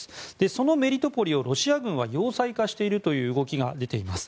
そのメリトポリをロシア軍は要塞化しているという動きが出ています。